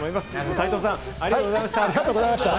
斉藤さん、ありがとうございました。